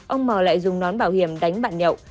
ông mò lại dùng nón bảo hiểm đánh bạn nhậu